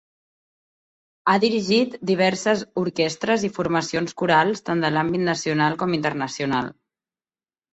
Ha dirigit diverses orquestres i formacions corals tant de l’àmbit nacional com internacional.